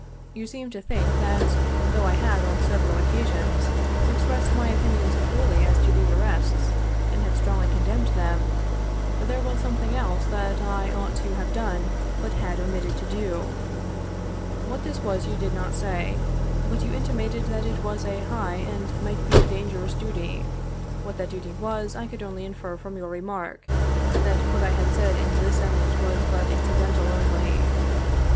You seemed to think that, though I had on several occasions expressed my opinions freely as to these arrests, and had strongly condemned them, there was something else that I ought to have done, but had omitted to do. What this was you did not say, but you intimated that it was a high and might be a dangerous duty. What that duty was I could only infer from your remark, that what I had said in this Senate was but incidental only.